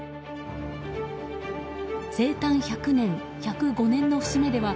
生誕１００年１０５年の節目では